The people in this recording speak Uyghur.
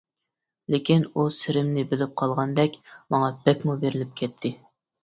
لېكىن ئۇ سىرىمنى بىلىپ قالغاندەك، ماڭا بەكمۇ بېرىلىپ كەتتى.